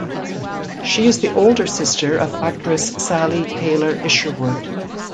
She is the older sister of actress Sally Taylor-Isherwood.